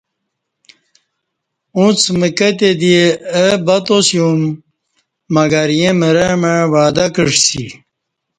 اݩڅ مکہ تے دی اہ بتا سیوم مگر ییں مرہ مع وعدہ کعسی